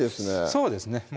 そうですね